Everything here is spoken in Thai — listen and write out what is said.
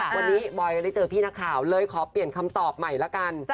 วันนี้บอยได้เจอพี่นักข่าวเลยขอเปลี่ยนคำตอบใหม่ละกัน